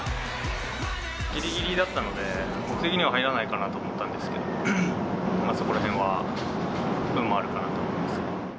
ぎりぎりだったので、僕的には入らないかなと思ったんですけど、そこらへんは運もあるかなと。